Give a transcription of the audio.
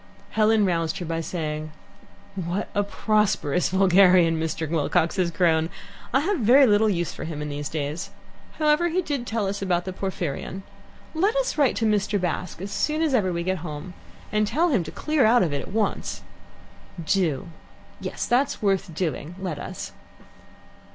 Helen roused her by saying: "What a prosperous vulgarian Mr. Wilcox has grown! I have very little use for him in these days. However, he did tell us about the Porphyrion. Let us write to Mr. Bast as soon as ever we get home, and tell him to clear out of it at once." "Do; yes, that's worth doing. Let us."